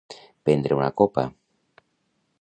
Prendre una copa.